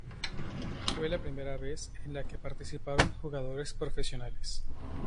Fue la primera vez en la que participaron jugadores profesionales.